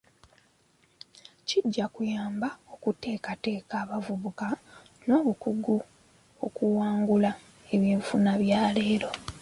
Kijja kuyamba okuteekateeka abavubuka n'obukugu okuwangula ebyenfuna byaleero .